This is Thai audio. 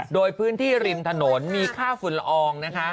โดยพื้นที่ริมถนนมีค่าฝุ่นละอองนะคะ